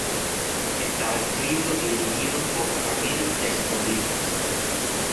Estaba escrito y dirigido por Camille Desmoulins.